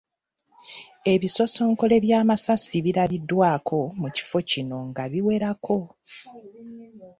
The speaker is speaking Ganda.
Ebisosonkole by’amasasi birabiddwako mu kifo kino nga biwerako .